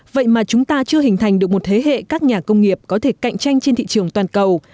vậy mà chúng ta chưa hình thành được một thế hệ các nhà công nghiệp có thể cạnh tranh trên thị trường toàn cầu